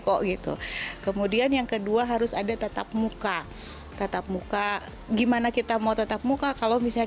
kok gitu kemudian yang kedua harus ada tetap muka tetap muka gimana kita mau tetap muka kalau misalnya